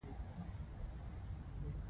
بوټونه د ډالۍ په توګه هم ورکول کېږي.